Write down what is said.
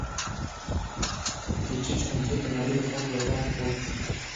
پېټټ انځور د نړۍ د خلکو لپاره خپور کړ.